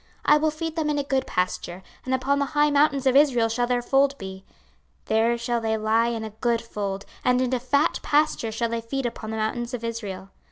26:034:014 I will feed them in a good pasture, and upon the high mountains of Israel shall their fold be: there shall they lie in a good fold, and in a fat pasture shall they feed upon the mountains of Israel.